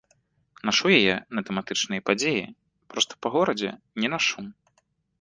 Нашу яе на тэматычныя падзеі, проста па горадзе не нашу.